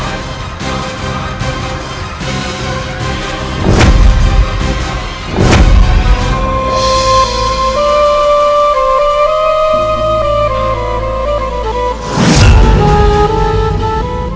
aku tidak percaya